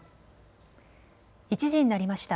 １時になりました。